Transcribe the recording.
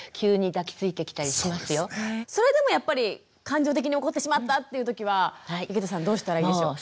それでもやっぱり感情的に怒ってしまったっていうときは井桁さんどうしたらいいでしょう？